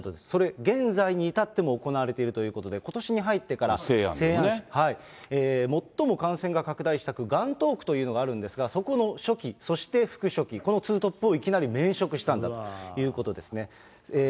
それ、現在に至っても行われているということで、ことしに入ってから、西安市、最も感染が拡大したがんとう区というのがあるんですが、そこの書記、そして副書記、そのツートップをいきなり免職したんだということですね。